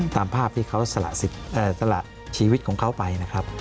ตามภาพที่เขาสละชีวิตของเขาไปนะครับ